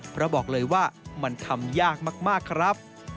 เพราะบอกเลยว่ามันทำยากมากครับ